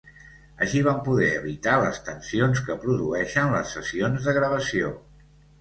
Així van poder evitar les tensions que produeixen les sessions de gravació.